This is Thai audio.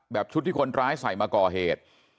ชุดที่คนร้ายใส่มาก่อเหตุ